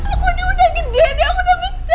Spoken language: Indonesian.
aku ini udah gede nek aku udah besar